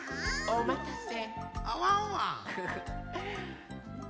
おまたせ！